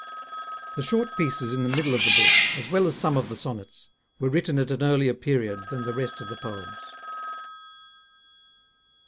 [The Short Pieces in the middle of the Book, as well as some of the Sonnets, were written at an earlier period than the rest of the Poems.